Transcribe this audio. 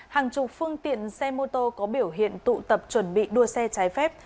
hàng chục phương tiện xe mô tô có biểu hiện tụ tập chuẩn bị đua xe trái phép